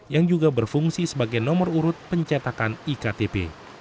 yang juga berfungsi sebagai nomor urut pencetakan iktp